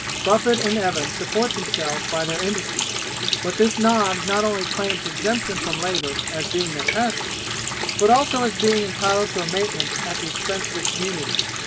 Buffet and Evans support themselves by their industry, but this Nobbs not only claims exemption from labour as being their pastor, but also as being entitled to a maintenance at the expense of the community.